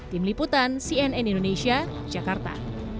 tim liputan cnn indonesia jakarta